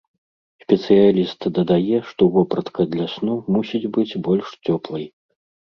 Спецыяліст дадае, што вопратка для сну мусіць быць больш цёплай.